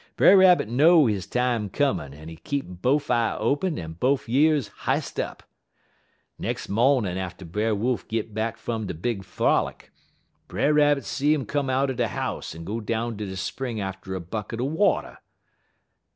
Brer Rabbit know he time comin', en he keep bofe eye open en bofe years h'ist up. Nex' mawnin' atter Brer Wolf git back fum de big frolic, Brer Rabbit see 'im come outer de house en go down de spring atter bucket water.